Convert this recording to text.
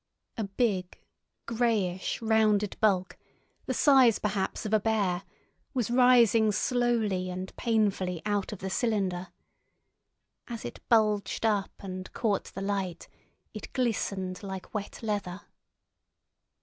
A big greyish rounded bulk, the size, perhaps, of a bear, was rising slowly and painfully out of the cylinder. As it bulged up and caught the light, it glistened like wet leather.